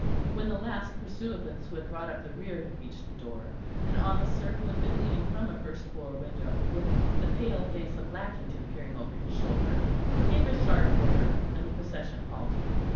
When the last pursuivants who brought up the rear had reached the door, an officer, who had been leaning from a first floor window with the pale face of Lackington peering over his shoulder, gave a sharp order; and the procession halted.